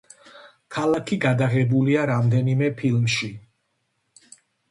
ქალაქი გადაღებულია რამდენიმე ფილმში.